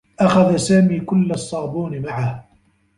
أخذ سامي كلّ الصّابون معه.